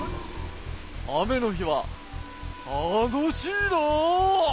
あめのひはたのしいな！